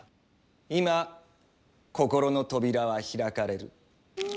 今心の扉は開かれる。